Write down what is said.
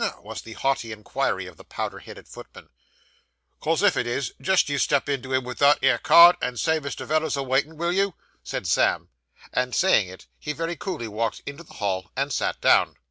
was the haughty inquiry of the powdered headed footman. ''Cos if it is, jist you step in to him with that 'ere card, and say Mr. Veller's a waitin', will you?' said Sam. And saying it, he very coolly walked into the hall, and sat down.